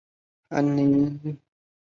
总结环节则由曾荫权先发言。